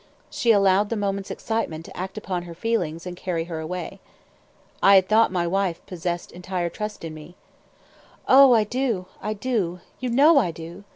She allowed the moment's excitement to act upon her feelings, and carry her away. "I had thought my wife possessed entire trust in me." "Oh, I do, I do; you know I do.